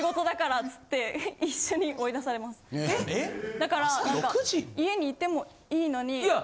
だから家にいてもいいのに。